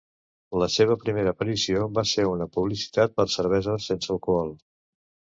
La seva primera aparició va ser una publicitat per cervesa sense alcohol.